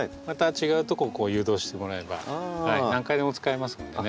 違うとこを誘導してもらえば何回でも使えますのでね。